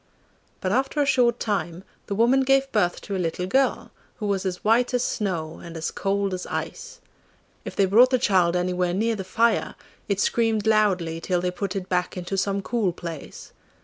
But after a short time the woman gave birth to a little girl, who was as white as snow and as cold as ice. If they brought the child anywhere near the fire, it screamed loudly till they put it back into some cool place.